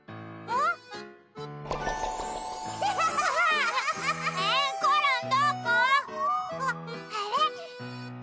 あれ？